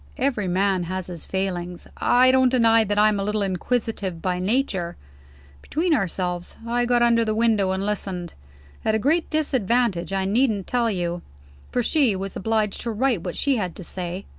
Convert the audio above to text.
Every man has his failings; I don't deny that I'm a little inquisitive by nature. Between ourselves, I got under the open window and listened. At a great disadvantage, I needn't tell you; for she was obliged to write what she had to say.